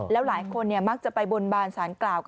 แล้วหลายคนมักจะไปบนบานสารกล่าว